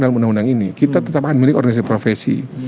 dalam undang undang ini kita tetap akan milik organisasi profesi